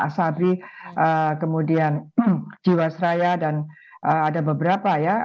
asabri kemudian jiwasraya dan ada beberapa ya